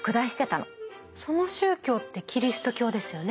その宗教ってキリスト教ですよね？